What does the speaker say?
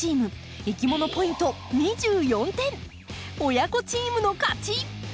親子チームの勝ち！